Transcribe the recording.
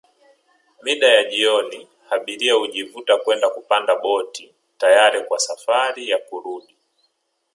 Mida ya jioni abiria hujivuta kwenda kupanda boti tayari kwa safari ya kurudi